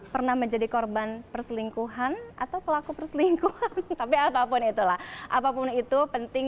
pernah menjadi korban perselingkuhan atau pelaku perselingkuhan tapi apapun itulah apapun itu penting